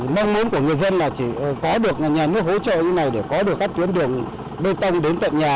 mong muốn của người dân là chỉ có được nhà nước hỗ trợ như này để có được các tuyến đường bê tông đến tận nhà